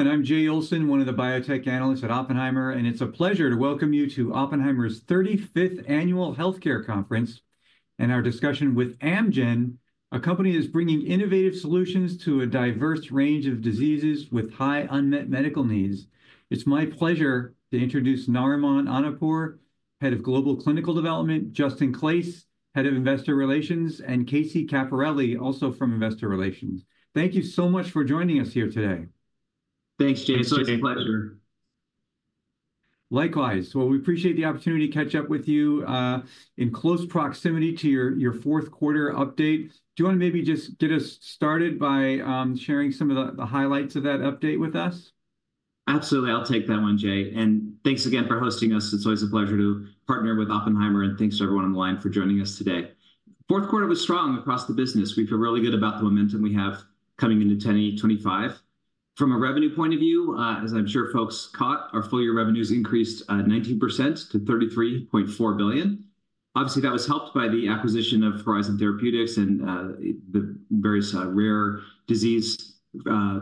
Hello, everyone. I'm Jay Olson, one of the biotech analysts at Oppenheimer, and it's a pleasure to welcome you to Oppenheimer's 35th Annual Healthcare Conference and our discussion with Amgen, a company that is bringing innovative solutions to a diverse range of diseases with high unmet medical needs. It's my pleasure to introduce Narimon Honarpour, Head of Global Clinical Development, Justin Claeys, Head of Investor Relations, and Casey Capparelli, also from Investor Relations. Thank you so much for joining us here today. Thanks, James. It's a pleasure. Likewise. We appreciate the opportunity to catch up with you in close proximity to your fourth quarter update. Do you want to maybe just get us started by sharing some of the highlights of that update with us? Absolutely. I'll take that one, Jay, and thanks again for hosting us. It's always a pleasure to partner with Oppenheimer, and thanks to everyone on the line for joining us today. Fourth quarter was strong across the business. We feel really good about the momentum we have coming into 2025. From a revenue point of view, as I'm sure folks caught, our full year revenues increased 19% to $33.4 billion. Obviously, that was helped by the acquisition of Horizon Therapeutics and the various rare disease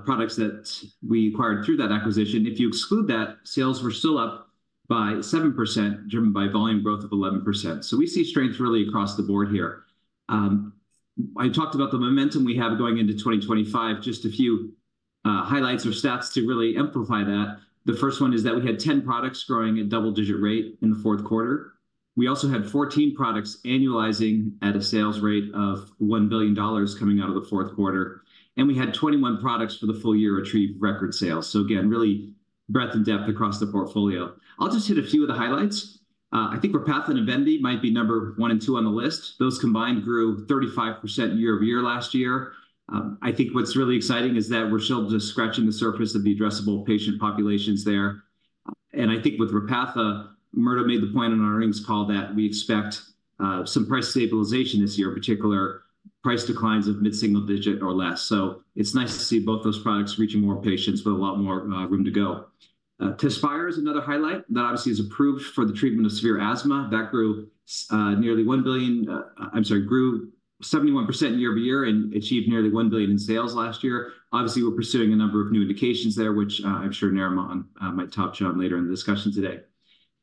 products that we acquired through that acquisition. If you exclude that, sales were still up by 7%, driven by volume growth of 11%, so we see strength really across the board here. I talked about the momentum we have going into 2025. Just a few highlights or stats to really amplify that. The first one is that we had 10 products growing at double-digit rate in the fourth quarter. We also had 14 products annualizing at a sales rate of $1 billion coming out of the fourth quarter, and we had 21 products for the full year achieve record sales. So again, really breadth and depth across the portfolio. I'll just hit a few of the highlights. I think Repatha and Evenity might be number one and two on the list. Those combined grew 35% year over year last year. I think what's really exciting is that we're still just scratching the surface of the addressable patient populations there. And I think with Repatha, Murdo made the point on our earnings call that we expect some price stabilization this year, particularly price declines of mid-single-digit or less. It's nice to see both those products reaching more patients with a lot more room to go. TEZSPIRE is another highlight that obviously is approved for the treatment of severe asthma. That grew nearly $1 billion. I'm sorry, grew 71% year over year and achieved nearly $1 billion in sales last year. Obviously, we're pursuing a number of new indications there, which I'm sure Narimon might touch on later in the discussion today.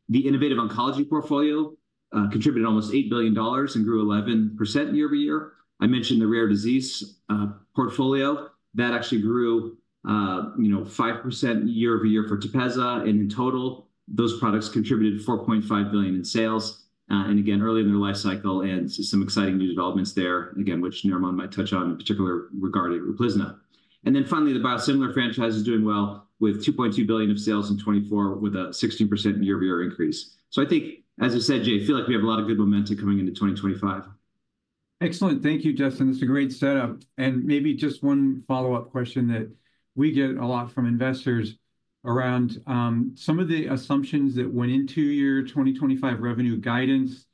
The innovative oncology portfolio contributed almost $8 billion and grew 11% year over year. I mentioned the rare disease portfolio. That actually grew 5% year over year for Tepezza, and in total, those products contributed $4.5 billion in sales. Again, early in their life cycle and some exciting new developments there, again, which Narimon might touch on in particular regarding Uplizna. Then finally, the biosimilar franchise is doing well with $2.2 billion of sales in 2024, with a 16% year over year increase. I think, as I said, Jay, I feel like we have a lot of good momentum coming into 2025. Excellent. Thank you, Justin. That's a great setup, and maybe just one follow-up question that we get a lot from investors around some of the assumptions that went into your 2025 revenue guidance,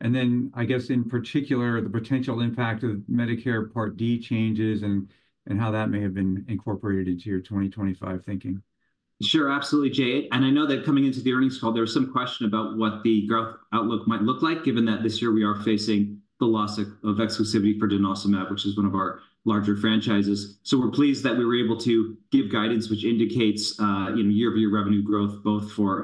and then I guess in particular, the potential impact of Medicare Part D changes and how that may have been incorporated into your 2025 thinking. Sure, absolutely, Jay. And I know that coming into the earnings call, there was some question about what the growth outlook might look like, given that this year we are facing the loss of exclusivity for Denosumab, which is one of our larger franchises. So we're pleased that we were able to give guidance which indicates year-over-year revenue growth, both for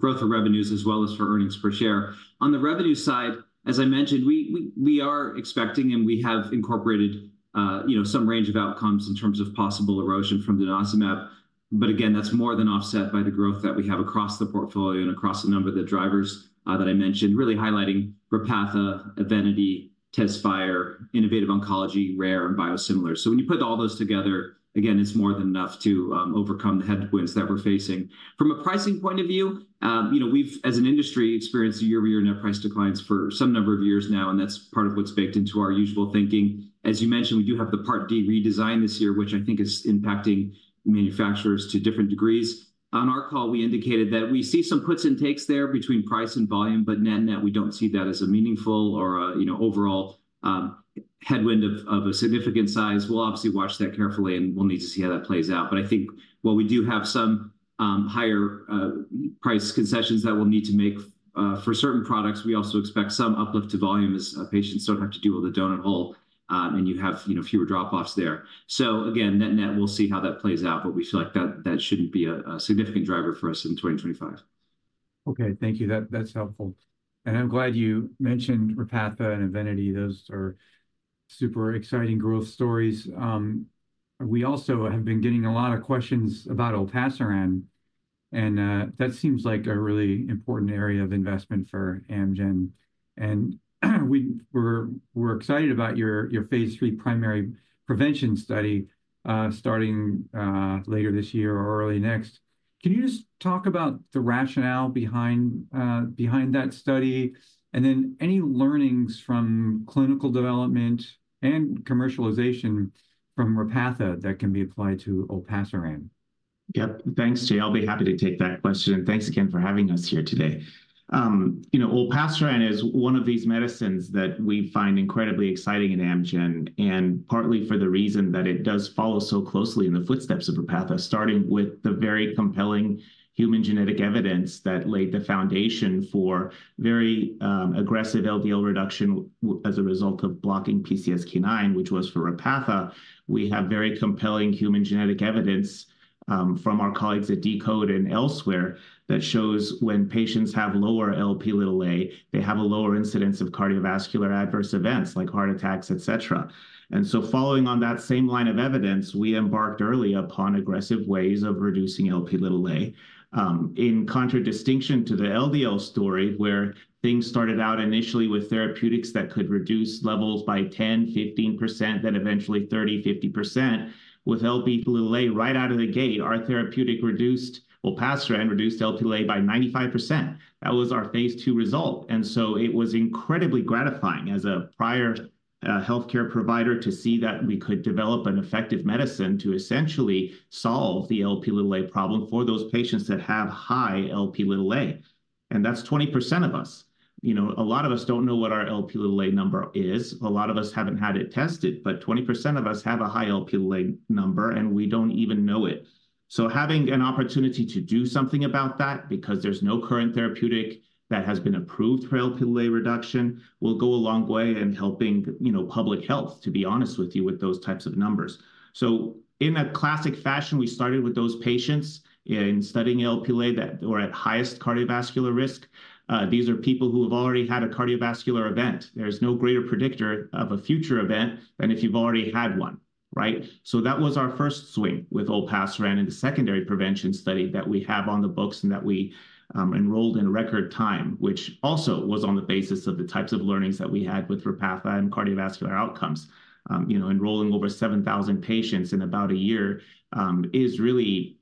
growth of revenues as well as for earnings per share. On the revenue side, as I mentioned, we are expecting and we have incorporated some range of outcomes in terms of possible erosion from Denosumab. But again, that's more than offset by the growth that we have across the portfolio and across a number of the drivers that I mentioned, really highlighting Repatha, Evenity, TEZSPIRE, innovative oncology, rare, and biosimilars. So when you put all those together, again, it's more than enough to overcome the headwinds that we're facing. From a pricing point of view, we've, as an industry, experienced year-over-year net price declines for some number of years now, and that's part of what's baked into our usual thinking. As you mentioned, we do have the Part D redesign this year, which I think is impacting manufacturers to different degrees. On our call, we indicated that we see some puts and takes there between price and volume, but net-net we don't see that as a meaningful or overall headwind of a significant size. We'll obviously watch that carefully, and we'll need to see how that plays out. But I think while we do have some higher price concessions that we'll need to make for certain products, we also expect some uplift to volume as patients don't have to deal with a doughnut hole, and you have fewer drop-offs there. So again, net-net, we'll see how that plays out, but we feel like that shouldn't be a significant driver for us in 2025. Okay, thank you. That's helpful. And I'm glad you mentioned Repatha and EVENITY. Those are super exciting growth stories. We also have been getting a lot of questions about Olapasiran, and that seems like a really important area of investment for Amgen. And we're excited about your phase III primary prevention study starting later this year or early next. Can you just talk about the rationale behind that study and then any learnings from clinical development and commercialization from Repatha that can be applied to Olpasiran? Yep, thanks, Jay. I'll be happy to take that question. Thanks again for having us here today. Olpasiran is one of these medicines that we find incredibly exciting in Amgen, and partly for the reason that it does follow so closely in the footsteps of Repatha, starting with the very compelling human genetic evidence that laid the foundation for very aggressive LDL reduction as a result of blocking PCSK9, which was for Repatha. We have very compelling human genetic evidence from our colleagues at deCODE and elsewhere that shows when patients have lower Lp(a), they have a lower incidence of cardiovascular adverse events like heart attacks, et cetera. And so following on that same line of evidence, we embarked early upon aggressive ways of reducing Lp(a). In contradistinction to the LDL story, where things started out initially with therapeutics that could reduce levels by 10%, 15%, then eventually 30%, 50%, with Lp(a) right out of the gate, our therapeutic, Olpasiran, reduced Lp(a) by 95%. That was our phase II result. And so it was incredibly gratifying as a prior healthcare provider to see that we could develop an effective medicine to essentially solve the Lp(a) problem for those patients that have high Lp(a). And that's 20% of us. A lot of us don't know what our Lp(a) number is. A lot of us haven't had it tested, but 20% of us have a high Lp(a) number, and we don't even know it. Having an opportunity to do something about that, because there's no current therapeutic that has been approved for Lp(a) reduction, will go a long way in helping public health, to be honest with you, with those types of numbers. In a classic fashion, we started with those patients in studying Lp(a) that were at highest cardiovascular risk. These are people who have already had a cardiovascular event. There is no greater predictor of a future event than if you've already had one. That was our first swing with Olpasiran and the secondary prevention study that we have on the books and that we enrolled in record time, which also was on the basis of the types of learnings that we had with Repatha and cardiovascular outcomes. Enrolling over 7,000 patients in about a year is really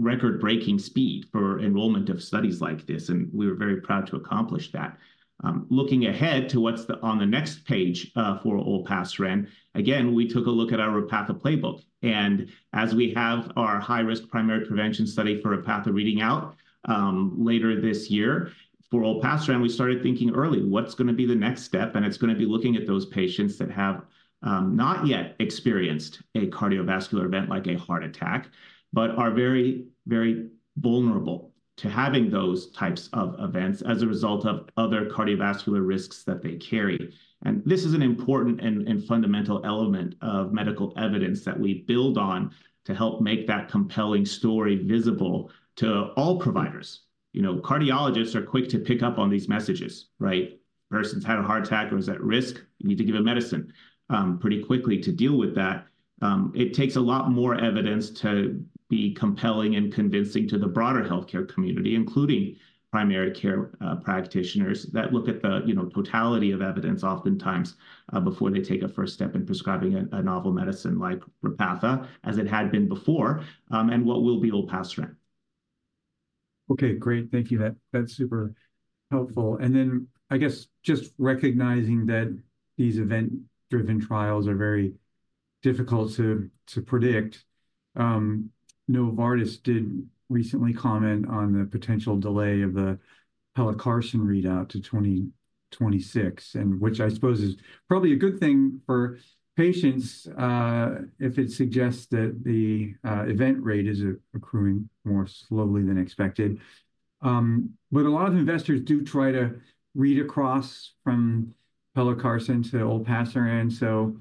record-breaking speed for enrollment of studies like this, and we were very proud to accomplish that. Looking ahead to what's on the next page for Olpasiran, again, we took a look at our Repatha playbook, and as we have our high-risk primary prevention study for Repatha reading out later this year for Olpasiran, we started thinking early, what's going to be the next step, and it's going to be looking at those patients that have not yet experienced a cardiovascular event like a heart attack, but are very, very vulnerable to having those types of events as a result of other cardiovascular risks that they carry, and this is an important and fundamental element of medical evidence that we build on to help make that compelling story visible to all providers. Cardiologists are quick to pick up on these messages. A person's had a heart attack or is at risk, you need to give a medicine pretty quickly to deal with that. It takes a lot more evidence to be compelling and convincing to the broader healthcare community, including primary care practitioners that look at the totality of evidence oftentimes before they take a first step in prescribing a novel medicine like Repatha, as it had been before, and what will be Olpasiran. Okay, great. Thank you. That's super helpful, and then I guess just recognizing that these event-driven trials are very difficult to predict. Novartis did recently comment on the potential delay of the Pelacarsen readout to 2026, which I suppose is probably a good thing for patients if it suggests that the event rate is accruing more slowly than expected, but a lot of investors do try to read across from Pelacarsen to Olpasiran. So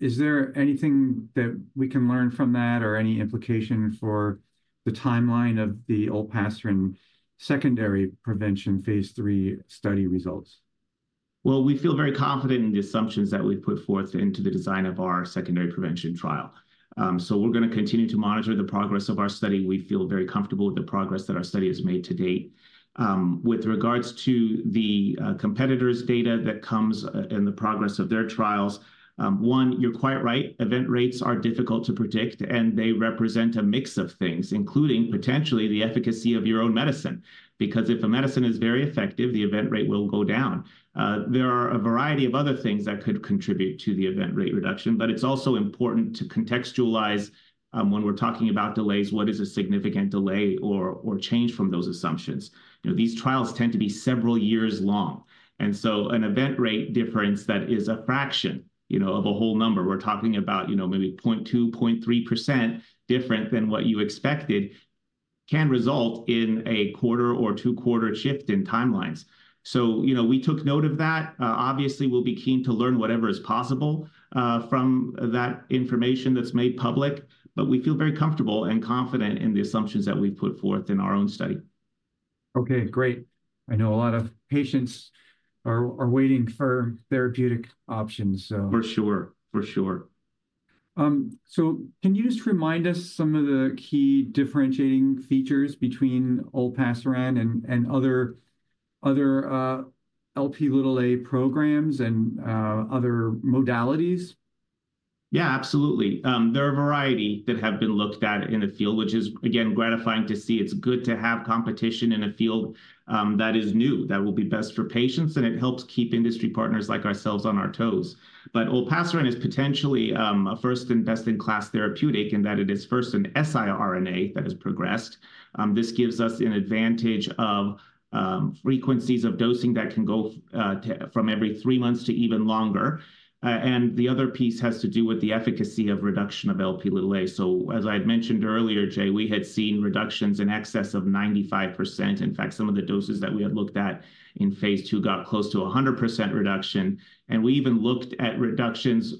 is there anything that we can learn from that or any implication for the timeline of the Olpasiran secondary prevention phase III study results? We feel very confident in the assumptions that we've put forth into the design of our secondary prevention trial. We're going to continue to monitor the progress of our study. We feel very comfortable with the progress that our study has made to date. With regards to the competitors' data that comes and the progress of their trials, one, you're quite right. Event rates are difficult to predict, and they represent a mix of things, including potentially the efficacy of your own medicine. Because if a medicine is very effective, the event rate will go down. There are a variety of other things that could contribute to the event rate reduction, but it's also important to contextualize when we're talking about delays, what is a significant delay or change from those assumptions. These trials tend to be several years long. And so an event rate difference that is a fraction of a whole number, we're talking about maybe 0.2%, 0.3% different than what you expected, can result in a quarter or two-quarter shift in timelines. So we took note of that. Obviously, we'll be keen to learn whatever is possible from that information that's made public, but we feel very comfortable and confident in the assumptions that we've put forth in our own study. Okay, great. I know a lot of patients are waiting for therapeutic options. For sure. For sure. So can you just remind us some of the key differentiating features between Olpasiran and other Lp(a) programs and other modalities? Yeah, absolutely. There are a variety that have been looked at in the field, which is, again, gratifying to see. It's good to have competition in a field that is new, that will be best for patients, and it helps keep industry partners like ourselves on our toes. But Olpasiran is potentially a first and best-in-class therapeutic in that it is first an siRNA that has progressed. This gives us an advantage of frequencies of dosing that can go from every three months to even longer. And the other piece has to do with the efficacy of reduction of Lp(a). So as I had mentioned earlier, Jay, we had seen reductions in excess of 95%. In fact, some of the doses that we had looked at in phase II got close to 100% reduction. And we even looked at reductions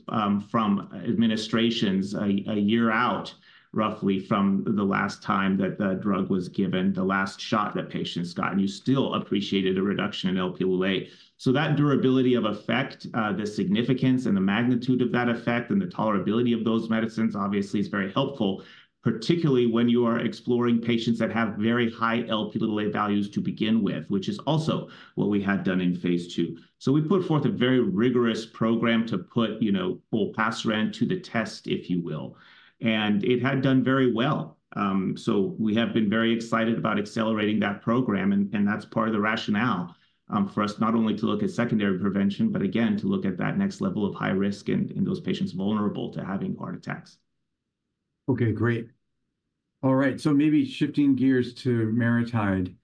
from administrations a year out, roughly from the last time that the drug was given, the last shot that patients got. And you still appreciated a reduction in Lp(a). So that durability of effect, the significance and the magnitude of that effect and the tolerability of those medicines, obviously, is very helpful, particularly when you are exploring patients that have very high Lp(a) values to begin with, which is also what we had done in phase II. So we put forth a very rigorous program to put Olpasiran to the test, if you will. And it had done very well. So we have been very excited about accelerating that program, and that's part of the rationale for us not only to look at secondary prevention, but again, to look at that next level of high risk in those patients vulnerable to having heart attacks. Okay, great. All right, so maybe shifting gears to MariTide.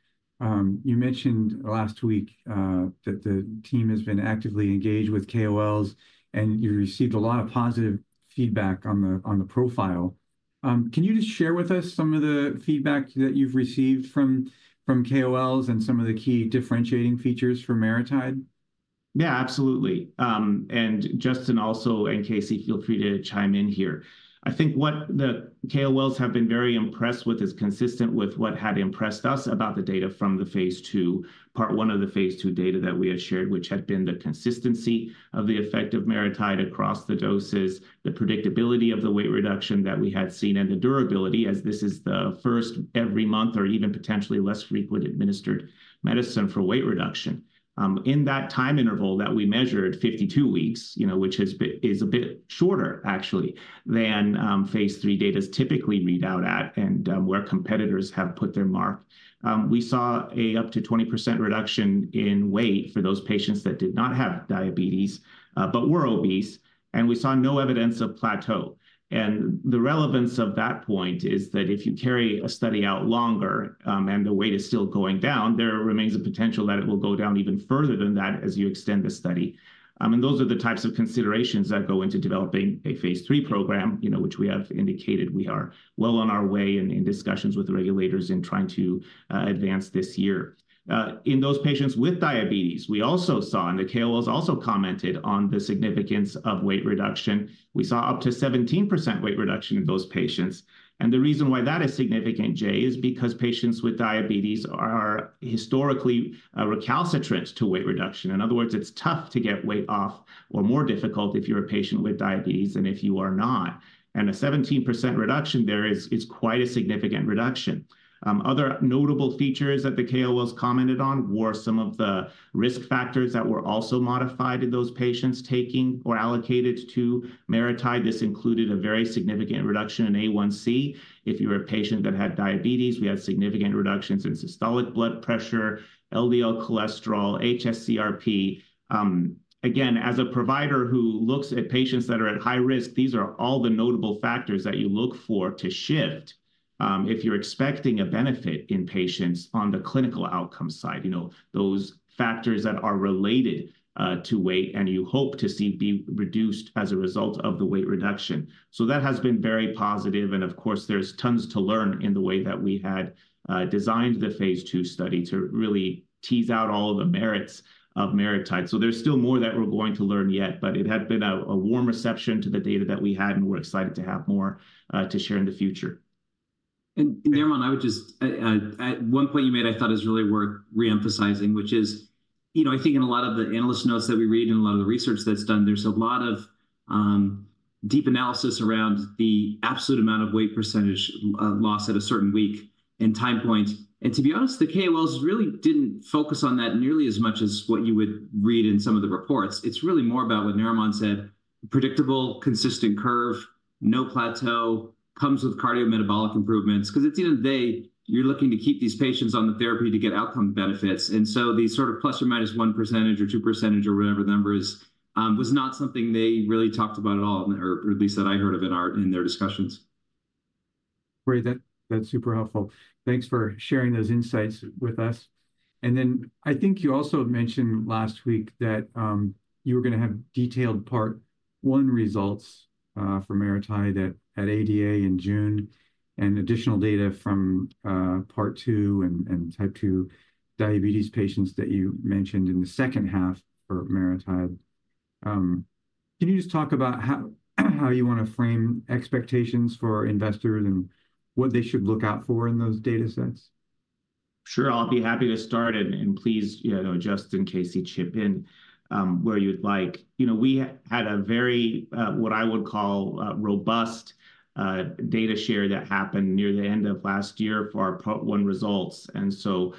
You mentioned last week that the team has been actively engaged with KOLs, and you received a lot of positive feedback on the profile. Can you just share with us some of the feedback that you've received from KOLs and some of the key differentiating features for MariTide? Yeah, absolutely, and Justin also and Casey, feel free to chime in here. I think what the KOLs have been very impressed with is consistent with what had impressed us about the data from the phase II, Part I of the phase II data that we had shared, which had been the consistency of the effect of MariTide across the doses, the predictability of the weight reduction that we had seen, and the durability, as this is the first every month or even potentially less frequent administered medicine for weight reduction. In that time interval that we measured, 52 weeks, which is a bit shorter, actually, than phase III data is typically readout at and where competitors have put their mark, we saw an up to 20% reduction in weight for those patients that did not have diabetes, but were obese, and we saw no evidence of plateau. The relevance of that point is that if you carry a study out longer and the weight is still going down, there remains a potential that it will go down even further than that as you extend the study. Those are the types of considerations that go into developing a phase III program, which we have indicated we are well on our way and in discussions with regulators in trying to advance this year. In those patients with diabetes, we also saw, and the KOLs also commented on the significance of weight reduction. We saw up to 17% weight reduction in those patients. The reason why that is significant, Jay, is because patients with diabetes are historically recalcitrant to weight reduction. In other words, it's tough to get weight off or more difficult if you're a patient with diabetes than if you are not. A 17% reduction there is quite a significant reduction. Other notable features that the KOLs commented on were some of the risk factors that were also modified in those patients taking or allocated to MariTide. This included a very significant reduction in A1C. If you were a patient that had diabetes, we had significant reductions in systolic blood pressure, LDL cholesterol, hs-CRP. Again, as a provider who looks at patients that are at high risk, these are all the notable factors that you look for to shift if you're expecting a benefit in patients on the clinical outcome side, those factors that are related to weight and you hope to see be reduced as a result of the weight reduction. So that has been very positive. Of course, there's tons to learn in the way that we had designed the phase II study to really tease out all of the merits of MariTide. There's still more that we're going to learn yet, but it had been a warm reception to the data that we had, and we're excited to have more to share in the future. And, Narimon, I would just, at one point you made, I thought is really worth reemphasizing, which is, you know, I think in a lot of the analyst notes that we read and a lot of the research that's done, there's a lot of deep analysis around the absolute amount of weight percentage loss at a certain week and time point. And to be honest, the KOLs really didn't focus on that nearly as much as what you would read in some of the reports. It's really more about what Narimon said, predictable, consistent curve, no plateau, comes with cardiometabolic improvements. Because at the end of the day, you're looking to keep these patients on the therapy to get outcome benefits. The sort of plus or minus 1% or 2% or whatever the number is was not something they really talked about at all, or at least that I heard of in their discussions. Great. That's super helpful. Thanks for sharing those insights with us. And then I think you also mentioned last week that you were going to have detailed Part I results for MariTide at ADA in June and additional data from Part II and Type II diabetes patients that you mentioned in the second half for MariTide. Can you just talk about how you want to frame expectations for investors and what they should look out for in those data sets? Sure. I'll be happy to start, and please, Justin and Casey, chip in where you'd like. We had a very, what I would call, robust data share that happened near the end of last year for our Part I results. And so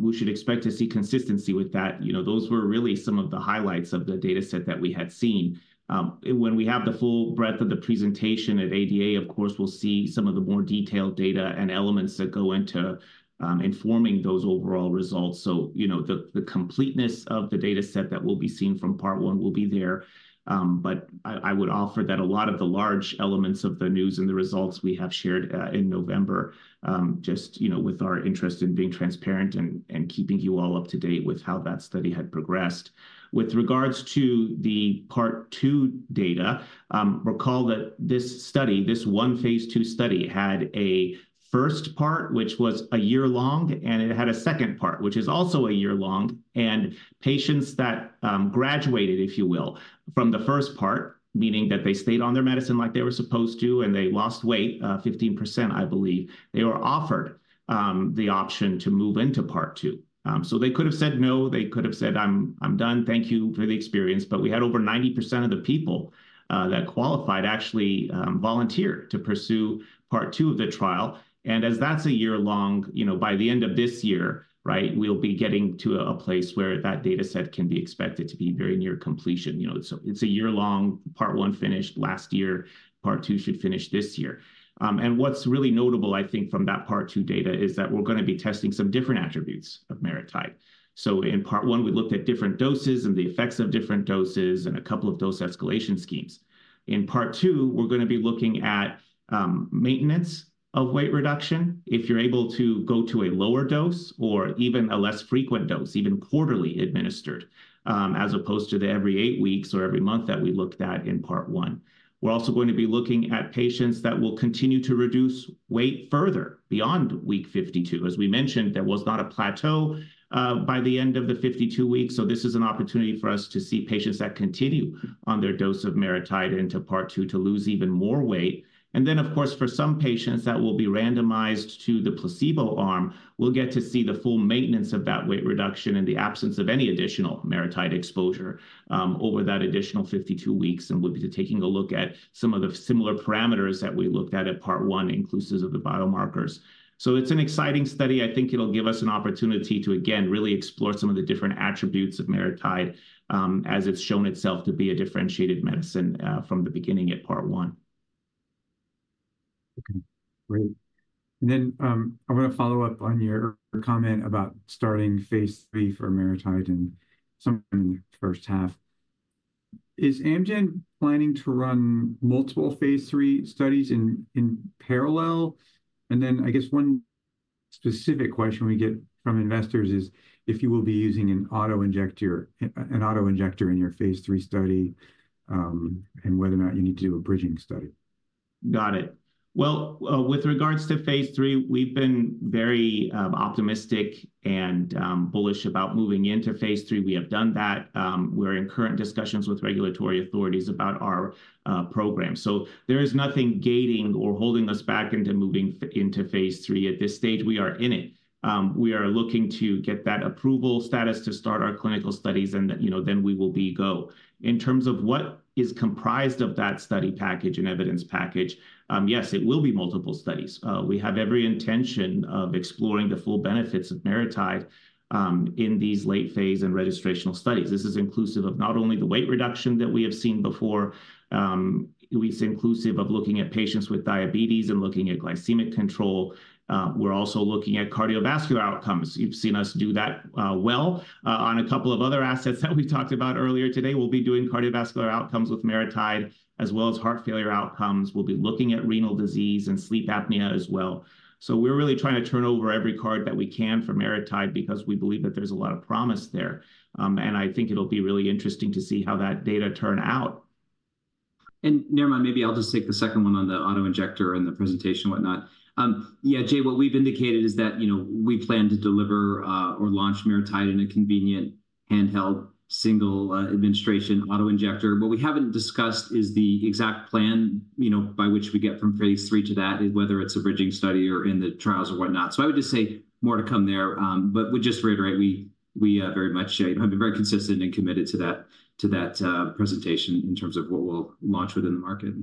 we should expect to see consistency with that. Those were really some of the highlights of the data set that we had seen. When we have the full breadth of the presentation at ADA, of course, we'll see some of the more detailed data and elements that go into informing those overall results. So the completeness of the data set that will be seen from Part I will be there. But I would offer that a lot of the large elements of the news and the results we have shared in November, just with our interest in being transparent and keeping you all up to date with how that study had progressed. With regards to the Part II data, recall that this study, this one phase II study, had a first part, which was a year long, and it had a second part, which is also a year long. And patients that graduated, if you will, from the first part, meaning that they stayed on their medicine like they were supposed to and they lost weight, 15%, I believe, they were offered the option to move into Part II. So they could have said no. They could have said, "I'm done. Thank you for the experience," but we had over 90% of the people that qualified actually volunteer to pursue Part II of the trial. And as that's a year long, by the end of this year, we'll be getting to a place where that data set can be expected to be very near completion. It's a year long. Part I finished last year. Part II should finish this year. And what's really notable, I think, from that Part II data is that we're going to be testing some different attributes of MariTide. So in Part I, we looked at different doses and the effects of different doses and a couple of dose escalation schemes. In Part II, we're going to be looking at maintenance of weight reduction if you're able to go to a lower dose or even a less frequent dose, even quarterly administered, as opposed to the every eight weeks or every month that we looked at in Part I. We're also going to be looking at patients that will continue to reduce weight further beyond week 52. As we mentioned, there was not a plateau by the end of the 52 weeks. So this is an opportunity for us to see patients that continue on their dose of MariTide into Part II to lose even more weight. And then, of course, for some patients that will be randomized to the placebo arm, we'll get to see the full maintenance of that weight reduction in the absence of any additional MariTide exposure over that additional 52 weeks. We'll be taking a look at some of the similar parameters that we looked at at Part I, inclusive of the biomarkers. It's an exciting study. I think it'll give us an opportunity to, again, really explore some of the different attributes of MariTide as it's shown itself to be a differentiated medicine from the beginning at Part I. Okay. Great. And then I want to follow up on your comment about starting phase III for MariTide sometime in the first half. Is Amgen planning to run multiple phase III studies in parallel? And then I guess one specific question we get from investors is if you will be using an auto injector in your phase III study and whether or not you need to do a bridging study. Got it. With regards to phase III, we've been very optimistic and bullish about moving into phase III. We have done that. We're in current discussions with regulatory authorities about our program, so there is nothing gating or holding us back into moving into phase III at this stage. We are in it. We are looking to get that approval status to start our clinical studies, and then we will be go. In terms of what is comprised of that study package and evidence package, yes, it will be multiple studies. We have every intention of exploring the full benefits of MariTide in these late phase and registrational studies. This is inclusive of not only the weight reduction that we have seen before. It's inclusive of looking at patients with diabetes and looking at glycemic control. We're also looking at cardiovascular outcomes. You've seen us do that well. On a couple of other assets that we talked about earlier today, we'll be doing cardiovascular outcomes with MariTide, as well as heart failure outcomes. We'll be looking at renal disease and sleep apnea as well, so we're really trying to turn over every card that we can for MariTide because we believe that there's a lot of promise there, and I think it'll be really interesting to see how that data turn out. Narimon, maybe I'll just take the second one on the auto injector and the presentation and whatnot. Yeah, Jay, what we've indicated is that we plan to deliver or launch MariTide in a convenient handheld single administration auto injector. What we haven't discussed is the exact plan by which we get from phase III to that, whether it's a bridging study or in the trials or whatnot. So I would just say more to come there. But would just reiterate, we very much have been very consistent and committed to that presentation in terms of what we'll launch within the market.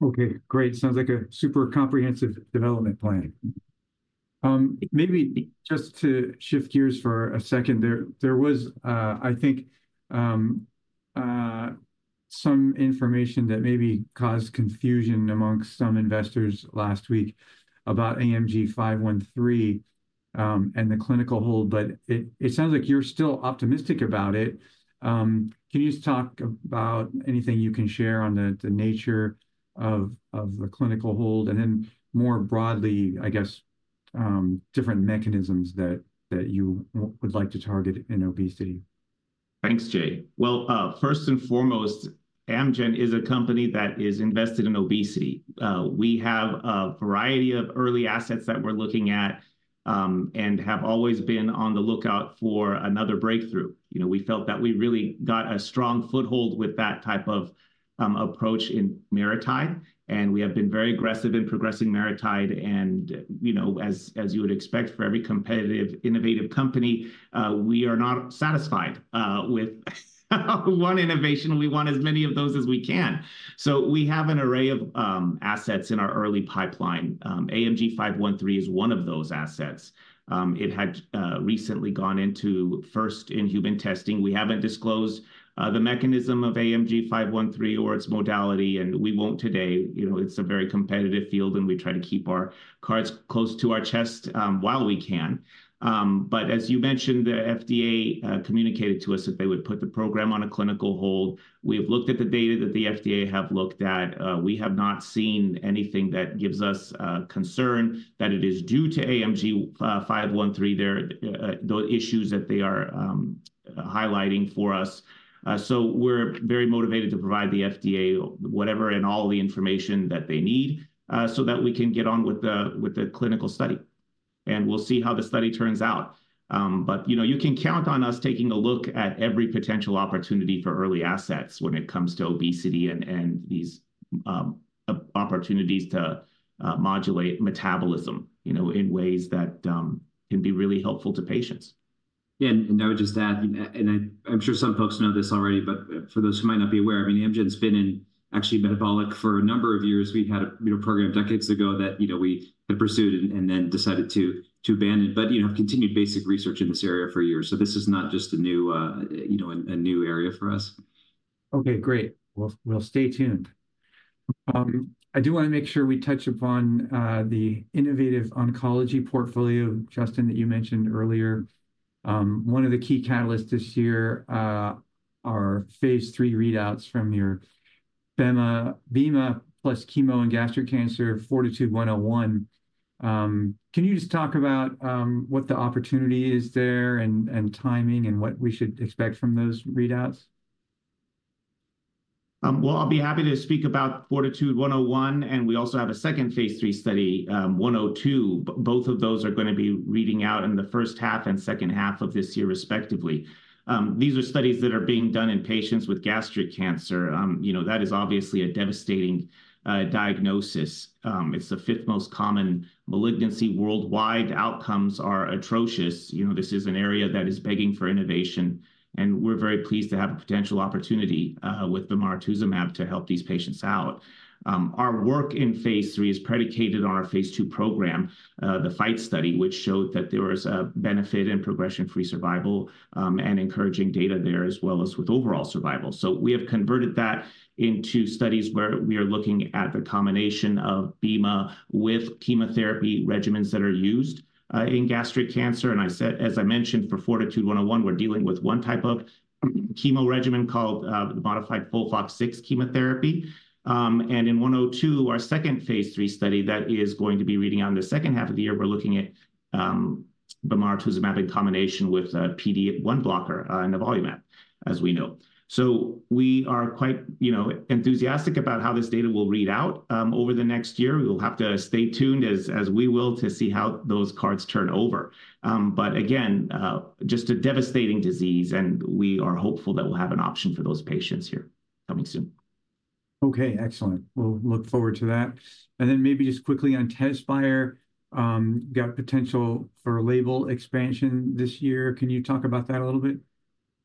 Okay, great. Sounds like a super comprehensive development plan. Maybe just to shift gears for a second, there was, I think, some information that maybe caused confusion amongst some investors last week about AMG 513 and the clinical hold. But it sounds like you're still optimistic about it. Can you just talk about anything you can share on the nature of the clinical hold and then more broadly, I guess, different mechanisms that you would like to target in obesity? Thanks, Jay. First and foremost, Amgen is a company that is invested in obesity. We have a variety of early assets that we're looking at and have always been on the lookout for another breakthrough. We felt that we really got a strong foothold with that type of approach in MariTide. We have been very aggressive in progressing MariTide. As you would expect for every competitive, innovative company, we are not satisfied with one innovation. We want as many of those as we can. We have an array of assets in our early pipeline. AMG 513 is one of those assets. It had recently gone into first in human testing. We haven't disclosed the mechanism of AMG 513 or its modality, and we won't today. It's a very competitive field, and we try to keep our cards close to our chest while we can. But as you mentioned, the FDA communicated to us that they would put the program on a clinical hold. We have looked at the data that the FDA have looked at. We have not seen anything that gives us concern that it is due to AMG 513, those issues that they are highlighting for us. So we're very motivated to provide the FDA whatever and all the information that they need so that we can get on with the clinical study. And we'll see how the study turns out. But you can count on us taking a look at every potential opportunity for early assets when it comes to obesity and these opportunities to modulate metabolism in ways that can be really helpful to patients. Yeah. And I would just add, and I'm sure some folks know this already, but for those who might not be aware, I mean, Amgen's been in actually metabolic for a number of years. We had a program decades ago that we had pursued and then decided to abandon it, but have continued basic research in this area for years. So this is not just a new area for us. Okay, great. Stay tuned. I do want to make sure we touch upon the innovative oncology portfolio, Justin, that you mentioned earlier. One of the key catalysts this year are phase III readouts from your bemarituzumab plus chemo and gastric cancer, FORTITUDE-101. Can you just talk about what the opportunity is there and timing and what we should expect from those readouts? I'll be happy to speak about FORT-101. And we also have a second phase III study, FORT-102. Both of those are going to be reading out in the first half and second half of this year, respectively. These are studies that are being done in patients with gastric cancer. That is obviously a devastating diagnosis. It's the fifth most common malignancy worldwide. Outcomes are atrocious. This is an area that is begging for innovation. And we're very pleased to have a potential opportunity with the Bemarituzumab to help these patients out. Our work in phase III is predicated on our phase II program, the FIGHT study, which showed that there was a benefit and progression-free survival and encouraging data there, as well as with overall survival. We have converted that into studies where we are looking at the combination of bemarituzumab with chemotherapy regimens that are used in gastric cancer. As I mentioned, for FORTITUDE-101, we're dealing with one type of chemo regimen called modified FOLFOX-6 chemotherapy. In 102, our second phase III study that is going to be reading out in the second half of the year, we're looking at the bemarituzumab in combination with a PD-1 blocker and Nivolumab, as we know. We are quite enthusiastic about how this data will read out over the next year. We will have to stay tuned, as we will, to see how those cards turn over. Again, just a devastating disease, and we are hopeful that we'll have an option for those patients here coming soon. Okay, excellent. We'll look forward to that. And then maybe just quickly on TEZSPIRE, got potential for label expansion this year. Can you talk about that a little bit?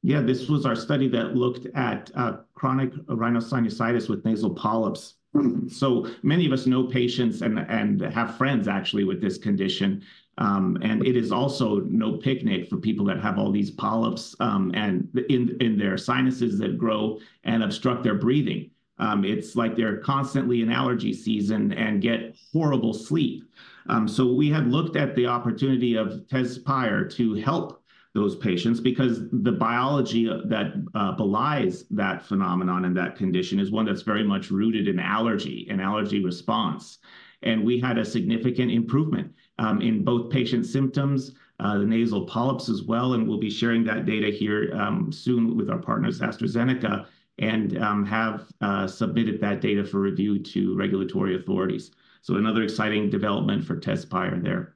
Yeah, this was our study that looked at chronic rhinosinusitis with nasal polyps, so many of us know patients and have friends, actually, with this condition, and it is also no picnic for people that have all these polyps in their sinuses that grow and obstruct their breathing. It's like they're constantly in allergy season and get horrible sleep, so we have looked at the opportunity of TEZSPIRE to help those patients because the biology that belies that phenomenon and that condition is one that's very much rooted in allergy and allergy response, and we had a significant improvement in both patient symptoms, the nasal polyps as well, and we'll be sharing that data here soon with our partners, AstraZeneca, and have submitted that data for review to regulatory authorities, so another exciting development for TEZSPIRE there.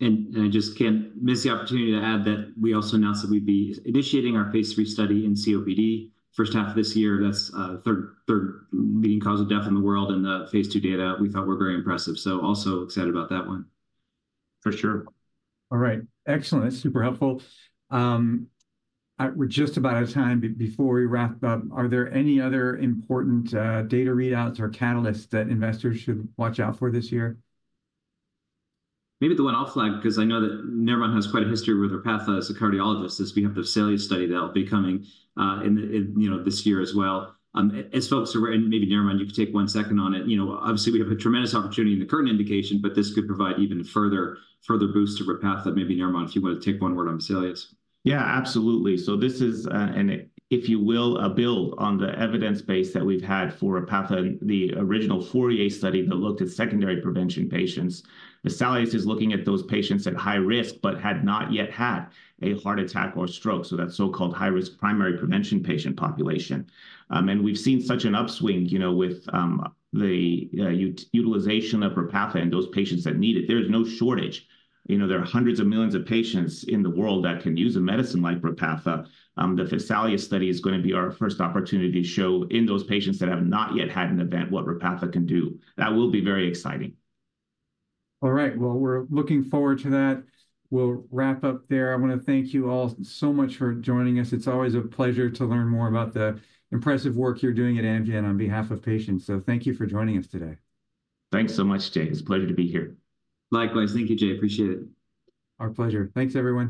And I just can't miss the opportunity to add that we also announced that we'd be initiating our phase III study in COPD first half of this year. That's third leading cause of death in the world in the phase II data. We thought we were very impressive. So also excited about that one. For sure. All right. Excellent. That's super helpful. We're just about out of time. Before we wrap up, are there any other important data readouts or catalysts that investors should watch out for this year? Maybe the one I'll flag because I know that Narimon has quite a history with her path as a cardiologist. We have the VESALIUS study that'll be coming this year as well. As folks are ready, maybe Narimon, you could take one second on it. Obviously, we have a tremendous opportunity in the current indication, but this could provide even further boost to Repatha. Maybe Narimon, if you want to take one word on VESALIUS. Yeah, absolutely. So this is, if you will, a build on the evidence base that we've had for Repatha, the original FOURIER study that looked at secondary prevention patients. The VESALIUS is looking at those patients at high risk but had not yet had a heart attack or stroke. So that's so-called high-risk primary prevention patient population. And we've seen such an upswing with the utilization of Repatha and those patients that need it. There is no shortage. There are hundreds of millions of patients in the world that can use a medicine like Repatha. The VESALIUS study is going to be our first opportunity to show in those patients that have not yet had an event what Repatha can do. That will be very exciting. All right. Well, we're looking forward to that. We'll wrap up there. I want to thank you all so much for joining us. It's always a pleasure to learn more about the impressive work you're doing at Amgen on behalf of patients. So thank you for joining us today. Thanks so much, Jay. It's a pleasure to be here. Likewise. Thank you, Jay. Appreciate it. Our pleasure. Thanks, everyone.